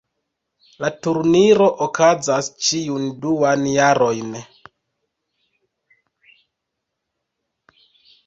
La turniro okazas ĉiun duan jarojn.